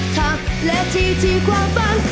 ทางและที่ที่ความฟัง